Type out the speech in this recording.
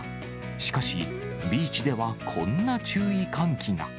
しかし、ビーチではこんな注意喚起が。